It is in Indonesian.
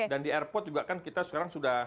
dan di airport juga kan kita sekarang sudah